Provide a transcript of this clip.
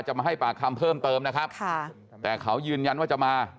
มาให้ปากคำเพิ่มเติมนะครับค่ะแต่เขายืนยันว่าจะมา